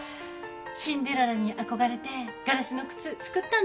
シンデレラに憧れてガラスの靴作ったんだよね。